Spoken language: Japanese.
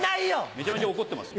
めちゃめちゃ怒ってますよ。